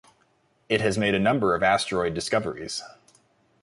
It has made a number of asteroid discoveries.